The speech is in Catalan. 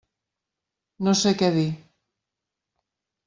No sé què dir.